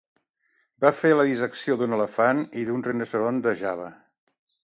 Va fer la dissecció d'un elefant i d'un rinoceront de Java.